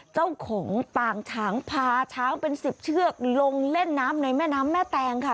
เจ้าของปางช้างพาช้างเป็น๑๐เชือกลงเล่นน้ำในแม่น้ำแม่แตงค่ะ